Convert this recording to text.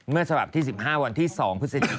เมื่อสำหรับสามารถที่๑๕วันที่๒